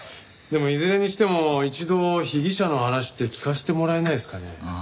でもいずれにしても一度被疑者の話って聞かせてもらえないですかね？